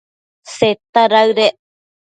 Seta daëdec